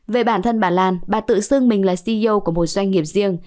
về bản thân bà lan bà tự xưng mình là ceo của một doanh nghiệp riêng